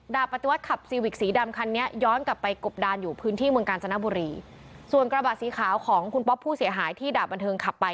ปฏิวัติขับซีวิกสีดำคันนี้ย้อนกลับไปกบดานอยู่พื้นที่เมืองกาญจนบุรีส่วนกระบะสีขาวของคุณป๊อปผู้เสียหายที่ดาบบันเทิงขับไป